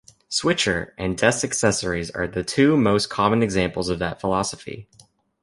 "Switcher" and desk accessories are the two most common examples of that philosophy".